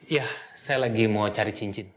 ya saya lagi mau cari cincin